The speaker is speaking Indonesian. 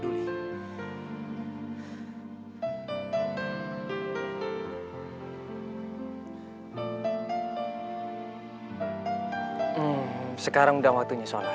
lo lepasin dong